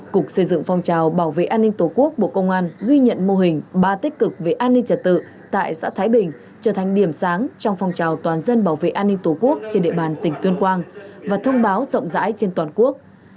cục xây dựng phong trào bảo vệ an ninh tổ quốc bộ công an ghi nhận mô hình ba tích cực về an ninh trật tự tại xã thái bình trở thành điểm sáng trong phong trào toàn dân bảo vệ an ninh tổ quốc trên địa bàn tỉnh tuyên quang và thông báo rộng rãi trên toàn quốc